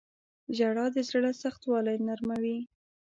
• ژړا د زړه سختوالی نرموي.